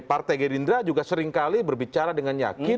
partai gerindra juga seringkali berbicara dengan yakin